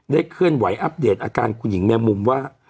เคลื่อนไหวอัปเดตอาการคุณหญิงแมงมุมว่า